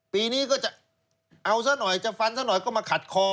ปีนี้ก็จะเอาซะหน่อยจะฟันซะหน่อยก็มาขัดคอ